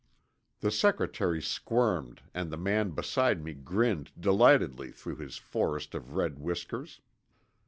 The secretary squirmed and the man beside me grinned delightedly through his forest of red whiskers.